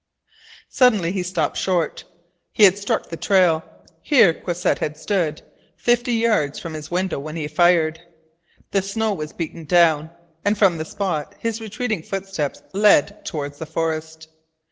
Suddenly he stopped short. He had struck the trail. Here Croisset had stood, fifty yards from his window, when he fired. The snow was beaten down, and from the spot his retreating footsteps led toward the forest.